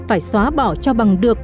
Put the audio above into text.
phải xóa bỏ cho bằng được